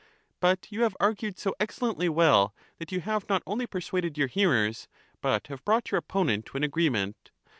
But you have argued so excellently well that you have not only persuaded your hearers, but have brought your opponent to an agree ment.